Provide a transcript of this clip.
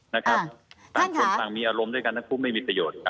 ต่างคนต่างมีอารมณ์ด้วยกันทั้งคู่ไม่มีประโยชน์